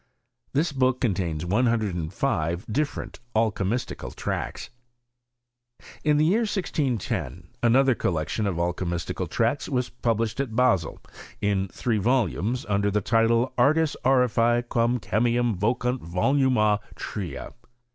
This book contains one hundred and fiva different alchymistical tracts. In the year 1610 another collection of alchymistical tracts was published at Basil, iu three volumes, under the title of " Axtis Auriferee quam Chemiam vocant vo< lumiua tria."